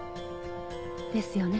ですよね？